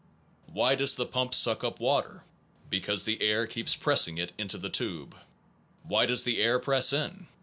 Why does the pump suck up water? Because the air keeps pressing it into the tube. Why does the air press in?